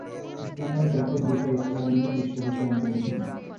ইসলামের ব্যাপক বিষয় ইসলামি বিশ্বকোষের অন্তর্ভুক্ত।